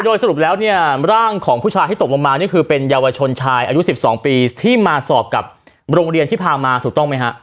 โดยสรุปแล้วเนี่ยร่างของผู้ชายที่ตกลงมานี่คือเป็นเยาวชนชายอายุ๑๒ปีที่มาสอบกับโรงเรียนที่พามาถูกต้องไหมฮะ